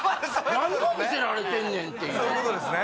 何を見せられてんねんっていうそういうことですね